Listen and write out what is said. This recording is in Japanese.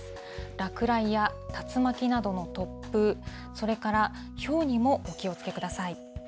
落雷や竜巻などの突風、それからひょうにもお気をつけください。